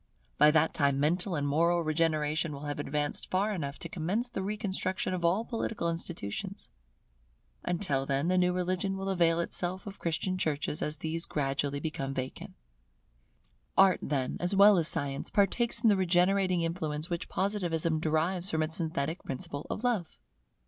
By that time mental and moral regeneration will have advanced far enough to commence the reconstruction of all political institutions. Until then the new religion will avail itself of Christian churches as these gradually become vacant. [Positivism is the successor of Christianity, and surpasses it] Art then, as well as Science, partakes in the regenerating influence which Positivism derives from its synthetic principle of Love.